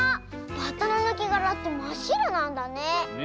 バッタのぬけがらってまっしろなんだね。